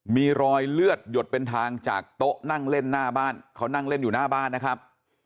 มีรอยเลือดหยดเป็นทางจากโต๊ะนั่งเล่นหน้าบ้านเขานั่งเล่นอยู่หน้าบ้านนะครับ